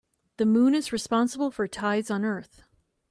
The moon is responsible for tides on earth.